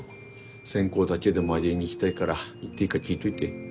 線香だけでもあげに行きたいから行っていいか聞いといて。